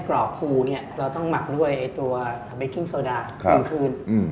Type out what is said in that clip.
กรอบคูเนี้ยเราต้องหมักด้วยไอตัวเคิงคืนอืม